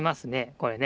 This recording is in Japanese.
これね。